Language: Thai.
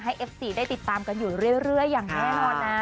เอฟซีได้ติดตามกันอยู่เรื่อยอย่างแน่นอนนะ